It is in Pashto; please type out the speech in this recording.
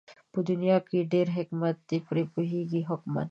په دنيا کې ډېر حکمت دئ پرې پوهېږي حُکَما